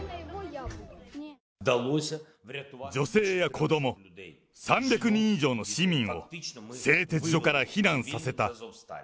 女性や子ども、３００人以上の市民を製鉄所から避難させた。